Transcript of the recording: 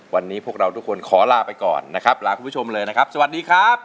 วันนี้พวกเราทุกคนขอลาไปก่อนนะครับลาคุณผู้ชมเลยนะครับสวัสดีครับ